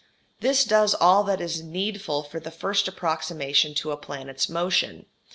This does all that is needful for the first approximation to a planet's motion.